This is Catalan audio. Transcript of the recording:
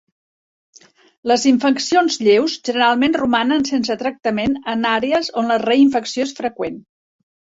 Les infeccions lleus generalment romanen sense tractament en àrees on la reinfecció és freqüent.